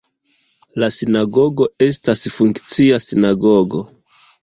La sinagogo estas funkcia sinagogo.